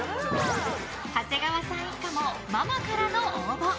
長谷川さん一家もママからの応募。